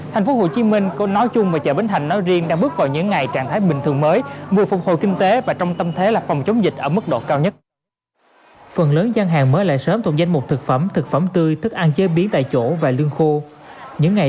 thành phố hồ chí minh có nói chung và chợ bến thành nói riêng đang bước vào những ngày trạng thái bình thường mới mùa phục hồi kinh tế và trong tâm thế là phòng chống dịch ở mức độ cao nhất